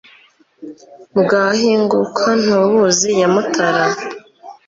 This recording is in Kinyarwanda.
bwahinguka ntubuzi ya mutara